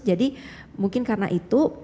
jadi mungkin karena itu